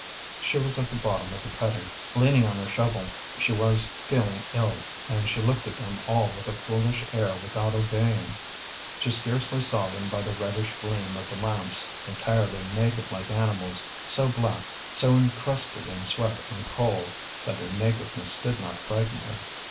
She was at the bottom of the cutting, leaning on her shovel; she was feeling ill, and she looked at them all with a foolish air without obeying. She scarcely saw them by the reddish gleam of the lamps, entirely naked like animals, so black, so encrusted in sweat and coal, that their nakedness did not frighten her.